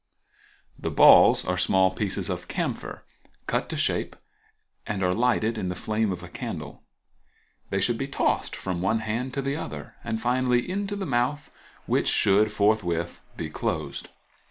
The balls are small pieces of camphor cut to shape, and are lighted in the flame of a candle. They should be tossed from one hand to the other, and finally into the mouth, which should forthwith be closed.